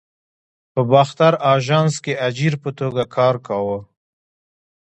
په باختر آژانس کې اجیر په توګه کار کاوه.